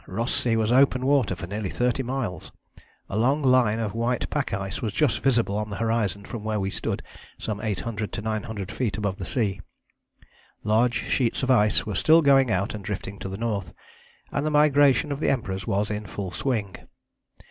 Ross Sea was open water for nearly thirty miles; a long line of white pack ice was just visible on the horizon from where we stood, some 800 to 900 feet above the sea. Large sheets of ice were still going out and drifting to the north, and the migration of the Emperors was in full swing.